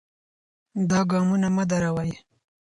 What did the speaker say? دا ګامونه مه دروئ.